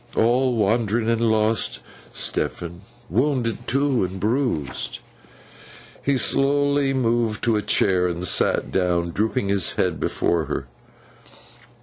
All wandering and lost, Stephen. Wounded too, and bruised.' He slowly moved to a chair and sat down, drooping his head before her.